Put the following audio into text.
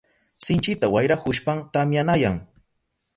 Sinchita wayrahushpan tamyanayan.